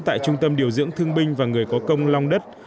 tại trung tâm điều dưỡng thương binh và người có công long đất